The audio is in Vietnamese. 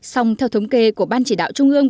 song theo thống kê của ban chỉ đạo trung ương